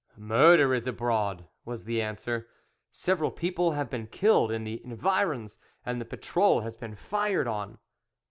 "Murder is abroad," was the answer; "several people have been killed in the environs, and the patrol has been fired on."